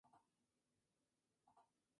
En su lugar se sugiere una estructura fractal.